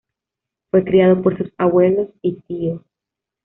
Fue criado por sus abuelos y tío.